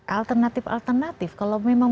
alternatif alternatif kalau memang